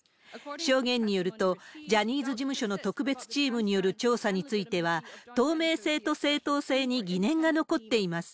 証言によると、ジャニーズ事務所の特別チームによる調査については、透明性と正当性に疑念が残っています。